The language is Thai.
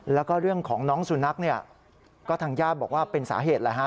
แล้วก็เรื่องของน้องสุนัขก็ทางญาติบอกว่าเป็นสาเหตุ